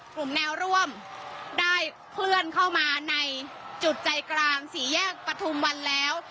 กลุ่มแนวร่วมได้เคลื่อนเข้ามาในจุดใจกลางสี่แยกปฐุมวันแล้ว